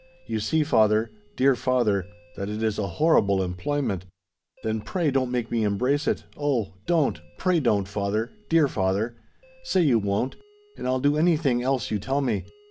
You see, father—dear father, that it is a horrible employment; then pray don't make me embrace it—Oh! don't—pray don't, father—dear father: say you won't—and I'll do any thing else you tell me!